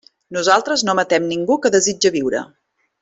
Nosaltres no matem ningú que desitja viure.